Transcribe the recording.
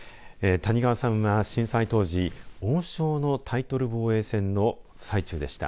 谷川さんは、震災当時王将のタイトル防衛戦の最中でした。